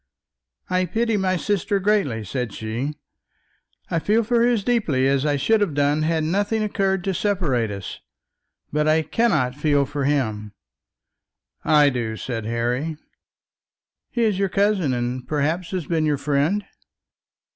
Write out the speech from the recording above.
"I pity my sister greatly," said she. "I feel for her as deeply as I should have done had nothing occurred to separate us; but I cannot feel for him." "I do," said Harry. "He is your cousin, and perhaps has been your friend?"